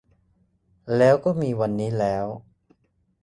แล้วก็มีวันนี้แล้ว